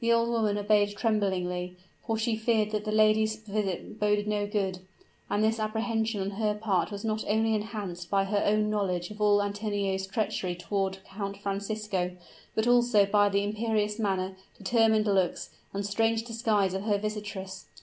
The old woman obeyed tremblingly; for she feared that the lady's visit boded no good; and this apprehension on her part was not only enhanced by her own knowledge of all Antonio's treachery toward Count Francisco, but also by the imperious manner, determined looks, and strange disguise of her visitress.